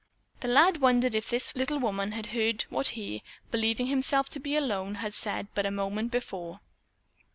The lad wondered if this little woman had heard what he, believing himself to be alone, had said but a moment before.